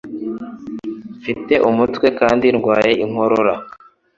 Mfite umutwe kandi ndwaye inkorora.